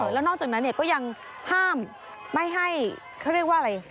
แล้วนอกจากนั้นก็ยังห้ามไม่ให้เขาเรียกว่าอะไร